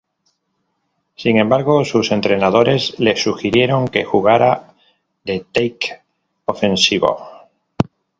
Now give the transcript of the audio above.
Sin embargo, sus entrenadores le sugirieron que jugara de tackle ofensivo.